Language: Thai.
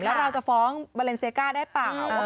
แล้วเราจะฟ้องบาเลนเซก้าได้เปล่า